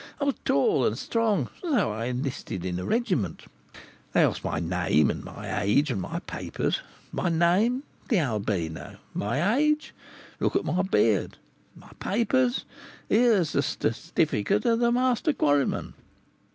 I was tall and strong, and so I enlisted in a regiment. They asked my name, my age, and my papers. My name? the Albino. My age? look at my beard. My papers? here's the certificate of the master quarryman.